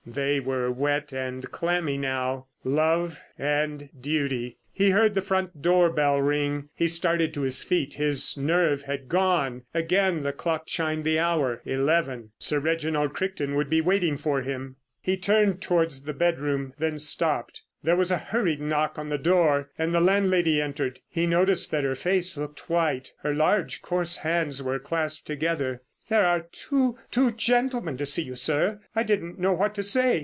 They were wet and clammy now. Love and Duty. He heard the front door bell ring. He started to his feet, his nerve had gone. Again the clock chimed the hour—eleven. Sir Reginald Crichton would be waiting for him. He turned towards the bedroom, then stopped. There was a hurried knock on the door and the landlady entered. He noticed that her face looked white, her large, coarse hands were clasped together. "There are two—two gentlemen to see you, sir. I didn't know what to say.